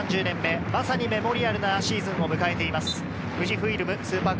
３０年目、まさにメモリアルなシーズンを迎えています。